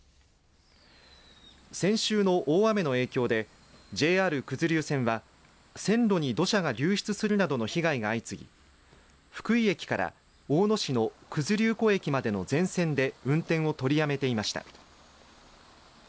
先週の大雨の影響でＪＲ九頭竜線は線路に土砂が流出するなどの被害が相次ぎ福井駅から大野市の九頭竜湖駅までの全線で運転を取りやめていました。